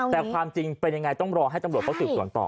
แต่ความจริงเป็นยังไงต้องรอให้ตำรวจเขาสืบสวนต่อ